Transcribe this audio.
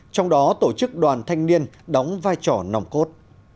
trong đó tổ chức đoàn thanh niên đóng vai trò nòng cốt